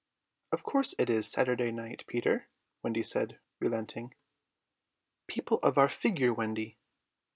"Of course it is Saturday night, Peter," Wendy said, relenting. "People of our figure, Wendy!"